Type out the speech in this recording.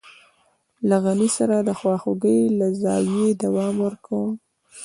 له غني سره د خواخوږۍ له زاويې دوام ورکوم.